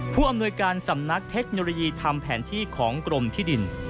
ผู้อำนวยการสำนักเทคโนโลยีทำแผนที่ของกรมที่ดิน